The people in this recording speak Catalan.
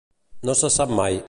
No se sap mai.